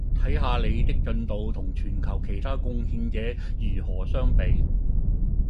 睇下您的進度同全球其他貢獻者如何相比